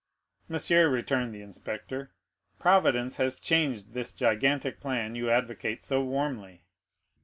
"Monsieur," returned the inspector, "Providence has changed this gigantic plan you advocate so warmly."